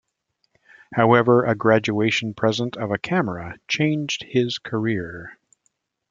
However, a graduation present of a camera changed his career.